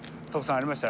ありました？